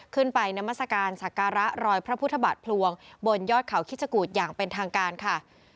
ขึ้นไปนามศกาลดรพระพุทธบัตรพลวงบนยอดเขาคิชกูตอย่างเป็นทางการค่ะ